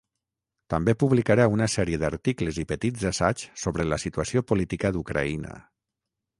També publicarà una sèrie d'articles i petits assaigs sobre la situació política d'Ucraïna.